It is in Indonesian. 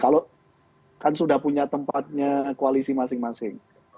kalau kan sudah punya tempatnya koalisi masing masing